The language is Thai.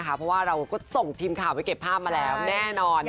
เพราะว่าเราก็ส่งทีมข่าวไปเก็บภาพมาแล้วแน่นอน